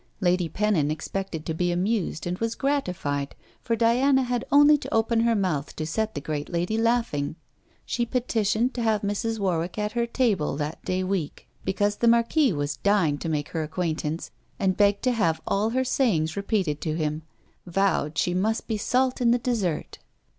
Lady Pennon expected to be amused, and was gratified, for Diana had only to open her mouth to set the great lady laughing. She petitioned to have Mrs. Warwick at her table that day week, because the marquis was dying to make her acquaintance, and begged to have all her sayings repeated to him; vowed she must be salt in the desert.